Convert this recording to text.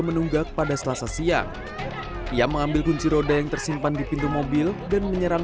menunggak pada selasa siang ia mengambil kunci roda yang tersimpan di pintu mobil dan menyerang